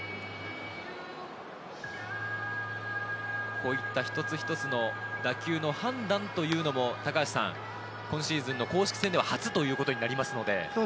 こういった一つ一つの打球の判断というのも今シーズンの公式戦では初ということになりますので。